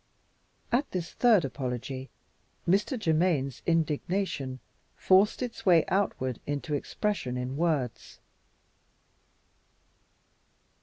At this third apology, Mr. Germaine's indignation forced its way outward into expression in words.